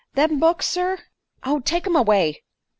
"Them books, sir " "Oh, take 'em away."